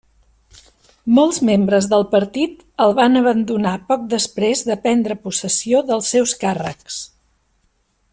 Molts membres del partit el van abandonar poc després de prendre possessió dels seus càrrecs.